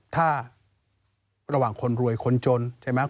ถ้าระหว่างคนรวยคนจนใช่ไหม